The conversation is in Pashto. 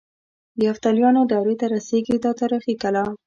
د یفتلیانو دورې ته رسيږي دا تاریخي کلا.